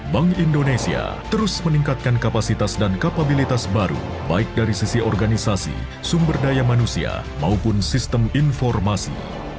bank indonesia terus meningkatkan kapasitas dan kapabilitas baru baik dari sisi organisasi sumber daya manusia maupun sistem informasi